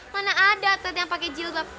mana ada atlet yang pake jilbab